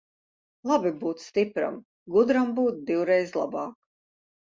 Labi būt stipram, gudram būt divreiz labāk.